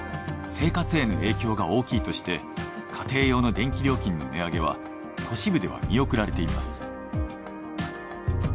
生活への影響が大きいとして家庭用の電気料金の値上げは都市部では見送られています。